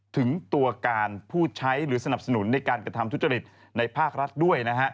ถึงตัวการผู้ใช้หรือสนับสนุนในการกระทำทุจริตในภาครัฐด้วยนะฮะ